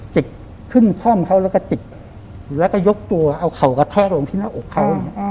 จิกขึ้นคล่อมเขาแล้วก็จิกแล้วก็ยกตัวเอาเข่ากระแทะลงที่หน้าอกเขา